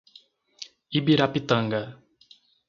Ibirapitanga